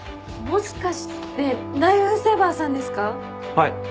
はい。